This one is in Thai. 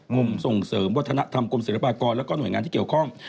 กรมส่งเสริมวัฒนธรรมกรมศิลปากรแล้วก็หน่วยงานที่เกี่ยวข้อง